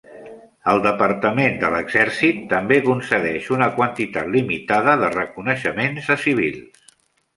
El Departament de l'exèrcit també concedeix una quantitat limitada de reconeixements a civils.